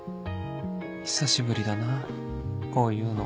久しぶりだなぁこういうの